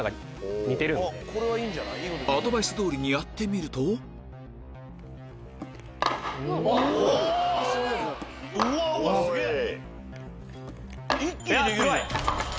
アドバイス通りにやってみるとうわわすげぇ！